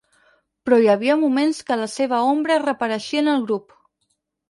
Però hi havia moments que la seva ombra reapareixia en el grup.